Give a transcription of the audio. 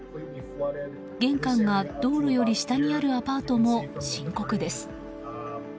玄関が道路より下にあるアパートも深刻です。